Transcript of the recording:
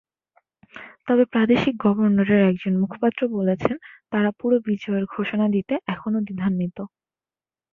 তবে প্রাদেশিক গভর্নরের একজন মুখপাত্র বলেছেন, তাঁরা পুরো বিজয়ের ঘোষণা দিতে এখনো দ্বিধান্বিত।